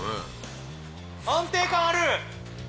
安定感ある！